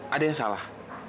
ada yang salah